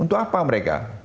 untuk apa mereka